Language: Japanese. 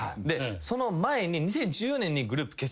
その前に２０１４年にグループ結成した。